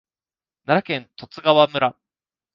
奈良県十津川村